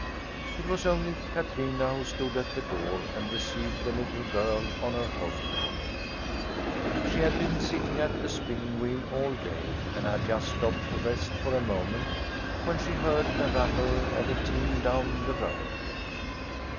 It was only Katrina who stood at the door and received the little girl on her homecoming. She had been sitting at the spinning wheel all day and had just stopped to rest for a moment, when she heard the rattle of a team down the road.